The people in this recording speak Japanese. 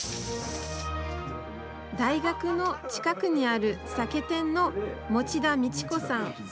大学の近くにある酒店の望田路子さん。